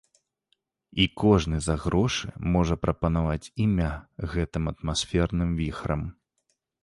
І кожны за грошы можа прапанаваць імя гэтым атмасферным віхрам.